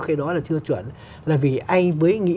khi đó là chưa chuẩn là vì anh mới nghĩ